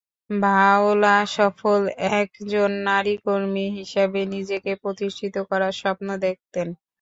Viola সফল একজন নারী কর্মী হিসেবে নিজেকে প্রতিষ্ঠিত করার স্বপ্ন দেখতেন।